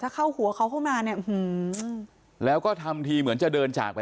ถ้าเข้าหัวเขาเข้ามาเนี่ยแล้วก็ทำทีเหมือนจะเดินจากไป